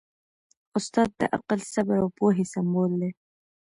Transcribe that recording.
استاد د عقل، صبر او پوهې سمبول دی.